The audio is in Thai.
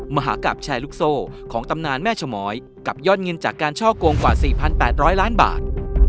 มหากราบแชร์ลูกโซ่ของตำนานแม่ชมอยกับยอดเงินจากการช่อกงกว่า๔๘๐๐ล้านบาท